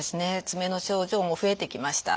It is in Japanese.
爪の症状も増えてきました。